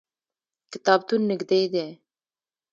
کتابتون نږدې دی